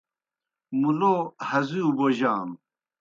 مُلو ہزِیؤ بوجانوْ۔